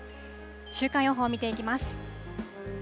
週間予報を見ていきます。